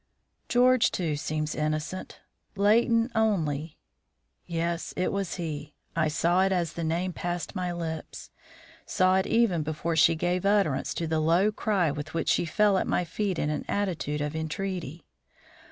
"George, too, seems innocent. Leighton only " Yes, it was he. I saw it as the name passed my lips, saw it even before she gave utterance to the low cry with which she fell at my feet in an attitude of entreaty.